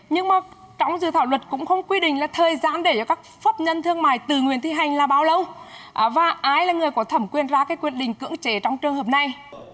nhưng mà trong dự thảo luật cũng không quy định là thời gian để cho các pháp nhân thương mại tự nguyện thi hành là bao lâu và ai là người có thẩm quyền ra cái quyết định cưỡng chế trong trường hợp này